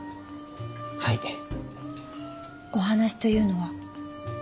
お話というのは？